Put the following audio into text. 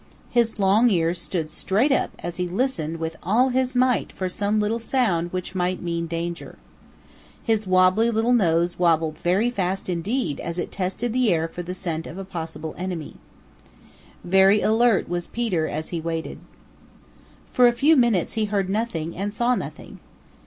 His long ears stood straight up as he listened with all his might for some little sound which might mean danger. His wobbly little nose wobbled very fast indeed as it tested the air for the scent of a possible enemy. Very alert was Peter as he waited. For a few minutes he heard nothing and saw nothing.